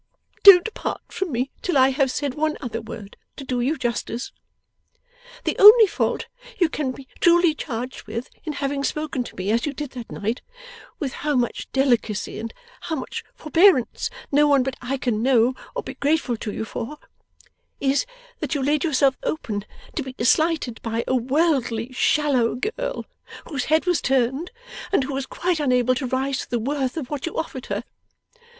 Don't part from me till I have said one other word, to do you justice. The only fault you can be truly charged with, in having spoken to me as you did that night with how much delicacy and how much forbearance no one but I can know or be grateful to you for is, that you laid yourself open to be slighted by a worldly shallow girl whose head was turned, and who was quite unable to rise to the worth of what you offered her.